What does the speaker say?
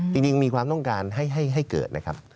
มีความต้องการให้เกิดนะครับ